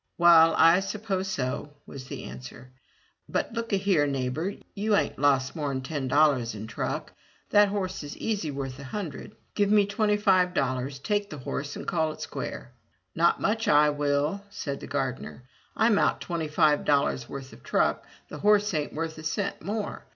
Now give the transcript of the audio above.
"Wall, I suppose so," was the answer; "but luk a here, neigh bor, you ain't lost more'n ten dollars in truck. That horse is easily worth — a hundred. Give me twenty five dollars, take the horse, an' call it square." "Not much I will," said the gardener. "I'm out twenty five dollars' worth of truck; the horse ain't worth a cent more.